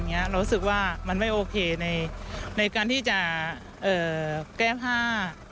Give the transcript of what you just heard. รู้สึกว่ามันไม่โอเคในการที่จะแก้ผ้า